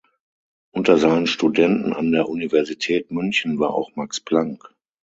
Unter seinen Studenten an der Universität München war auch Max Planck.